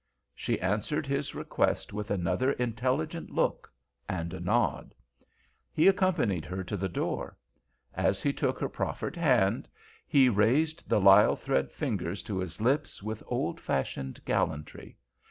She answered his request with another intelligent look and a nod. He accompanied her to the door. As he took her proffered hand he raised the lisle thread fingers to his lips with old fashioned gallantry.